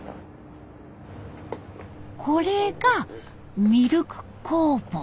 これがミルク酵母。